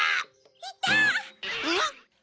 ・いた！